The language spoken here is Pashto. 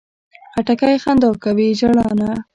خټکی خندا کوي، ژړا نه.